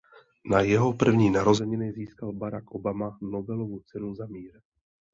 Na jeho první narozeniny získal Barack Obama Nobelovu cenu za mír.